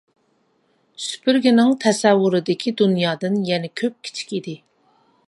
سۈپۈرگىنىڭ تەسەۋۋۇرىدىكى دۇنيادىن يەنە كۆپ كىچىك ئىدى.